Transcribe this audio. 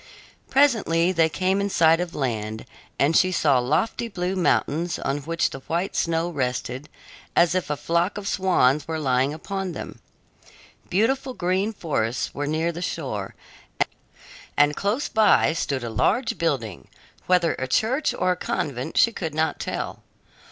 Presently they came in sight of land, and she saw lofty blue mountains on which the white snow rested as if a flock of swans were lying upon them. Beautiful green forests were near the shore, and close by stood a large building, whether a church or a convent she could not tell.